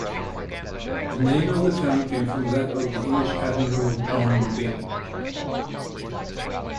The name of the town came from that of the English Admiral John Byng.